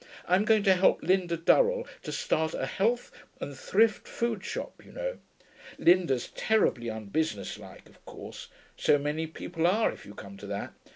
I'm going to help Linda Durell to start a Health and Thrift Food Shop, you know. Linda's terribly unbusinesslike, of course. So many people are, if you come to that.